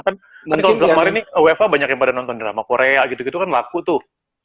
kan kalau bilang kemarin nih uefa banyak yang pada nonton drama korea gitu gitu kan laku tuh